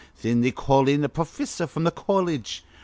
Thin they call in a profissor from a colledge.